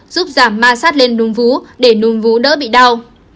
giúp giảm ma sát lên núm vú để núm vú đỡ bị đau